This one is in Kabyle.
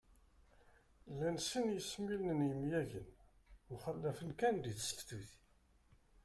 Llan sin n yesmilen n yemyagen, mxallafen kan di tseftit